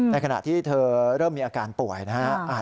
ขณะที่เธอเริ่มมีอาการป่วยนะฮะ